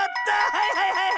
はいはいはい！